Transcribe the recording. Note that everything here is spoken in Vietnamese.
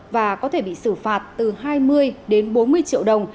và có thể bị xử phạt từ hai mươi đến bốn mươi triệu đồng